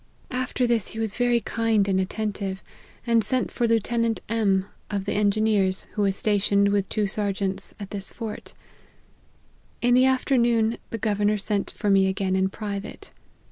After this he was very kind an<\ 184 LIFE OF HENRY MARTYN. attentive, and sent for Lieutenant M of the engineers, who was stationed, with two Serjeants, at this fort. In the afternoon, the governor sent for me again in private.